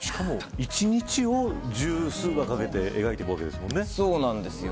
一日を十数話かけて描いていくんですもんね。